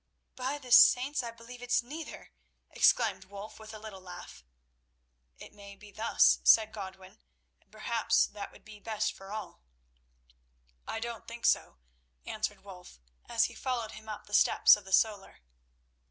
"By the saints, I believe it's neither!" exclaimed Wulf, with a little laugh. "It may be thus," said Godwin, "and perhaps that would be best for all." "I don't think so," answered Wulf, as he followed him up the steps of the solar.